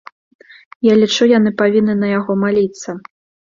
Я лічу, яны павінны на яго маліцца.